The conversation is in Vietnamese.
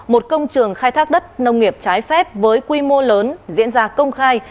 một công trường khai thác đất nông nghiệp trái phép với quy mô lớn diễn ra công khai